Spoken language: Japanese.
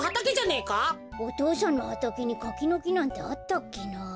お父さんのはたけにかきのきなんてあったっけな？